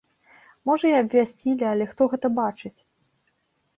Можа, і абвясцілі, але хто гэта бачыць?